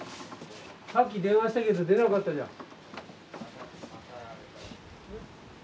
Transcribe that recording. さっき電話したけど出なかったじゃん。